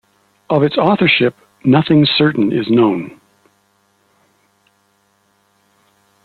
Of its authorship nothing certain is known.